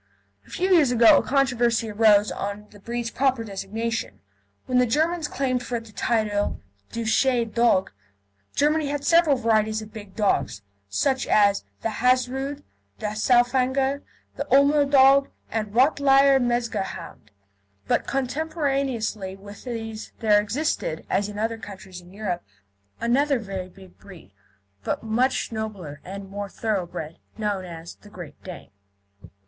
A few years ago a controversy arose on the breed's proper designation, when the Germans claimed for it the title "Deutsche Dogge." Germany had several varieties of big dogs, such as the Hatzrude, Saufanger, Ulmer Dogge, and Rottweiler Metzgerhund; but contemporaneously with these there existed, as in other countries in Europe, another very big breed, but much nobler and more thoroughbred, known as the Great Dane.